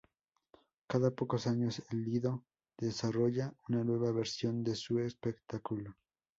Cada pocos años, el Lido desarrolla una nueva versión de su espectáculo.